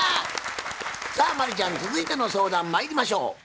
さあ真理ちゃん続いての相談まいりましょう。